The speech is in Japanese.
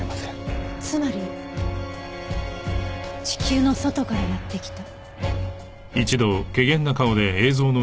つまり地球の外からやって来た？